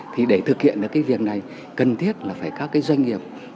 thì để thực hiện cái việc này cần thiết là phải các doanh nghiệp